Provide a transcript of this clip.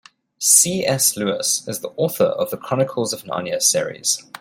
C.S. Lewis is the author of The Chronicles of Narnia series.